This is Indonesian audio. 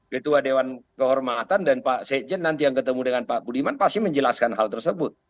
ketua dewan kehormatan dan pak sekjen nanti yang ketemu dengan pak budiman pasti menjelaskan hal tersebut